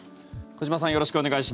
小島さん